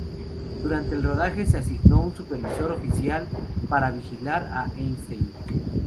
Durante el rodaje, se asignó un supervisor oficial para vigilar a Eisenstein.